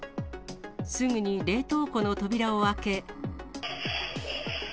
すぐに冷凍庫の扉を開け。